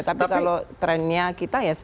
tapi kalau trennya kita ya